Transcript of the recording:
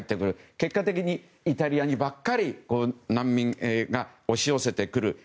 結果的にイタリアにばかり難民が押し寄せてくる。